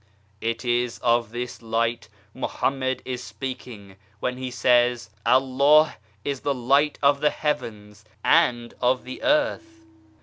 1 It is of this Light Mohammed is speaking when he says, " Allah is the Light of the Heavens, and of the Earth.